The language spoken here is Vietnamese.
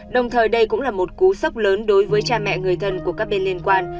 đồng thời đây cũng là một cú sốc lớn đối với cha mẹ người thân của các bên liên quan